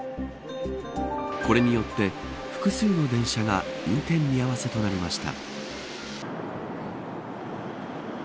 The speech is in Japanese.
これによって複数の電車が運転見合わせとなりました。